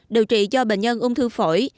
điều trị cho bệnh nhân ung thư phổi